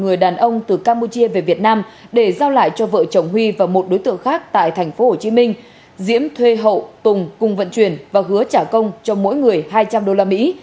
người đàn ông từ campuchia về việt nam để giao lại cho vợ chồng huy và một đối tượng khác tại thành phố hồ chí minh diễm thuê hậu tùng cùng vận chuyển và hứa trả công cho mỗi người hai trăm linh đô la mỹ